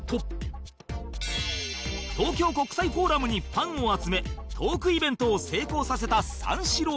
東京国際フォーラムにファンを集めトークイベントを成功させた三四郎